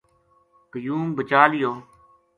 قیوم بچا لیو